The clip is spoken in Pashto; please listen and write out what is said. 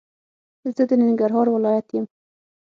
زه د ننګرهار ولايت يم